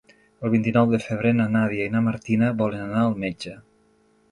El vint-i-nou de febrer na Nàdia i na Martina volen anar al metge.